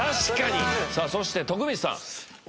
さあそして徳光さん。